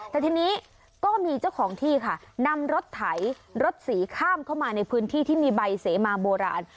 แต่ทีนี้ก็มีเจ้าของที่ค่ะนำรถไถรถสีข้ามเข้ามาในพื้นที่ที่มีใบเสมาโบราณ